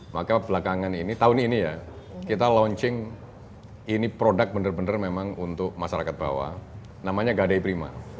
maka belakangan ini tahun ini ya kita launching ini produk benar benar memang untuk masyarakat bawah namanya gadai prima